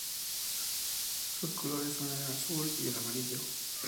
Sus colores son el azul y el amarillo.